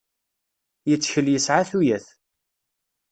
Yettkel yesɛa tuyat.